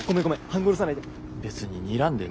半殺さないで。